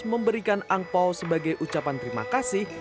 memberikan angpao sebagai ucapan terima kasih